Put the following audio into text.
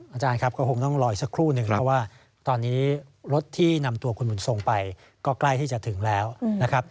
อาจารย์ครับก็คงต้องรออีกสักครู่หนึ่งเพราะว่าตอนนี้รถที่นำตัวคุณบุญทรงไปก็ใกล้ที่จะถึงแล้วนะครับ